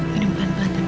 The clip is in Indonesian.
beda pelan pelan tante